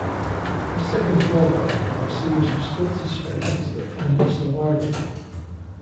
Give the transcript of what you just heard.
At second floor level were a series of sculpted spaces that formed a solarium.